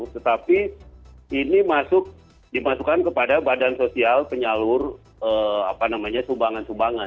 tetapi ini dimasukkan kepada badan sosial penyalur sumbangan sumbangan